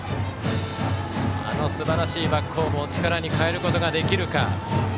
あのすばらしいバックホームを力に変えることができるか。